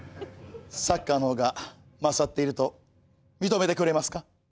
サッカーの方が勝っていると認めてくれますか？